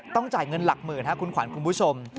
จ่ายเงินหลักหมื่นครับคุณขวัญคุณผู้ชม